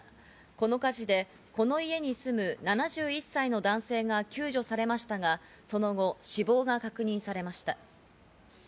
この火事でこの家に住む７１歳の男性が救助されましたが、その後死亡が確認されました。